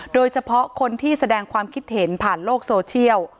โดยเฉพาะคนที่แสดงความคิดเห็นผ่านโลกโซเชียล